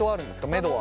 めどは。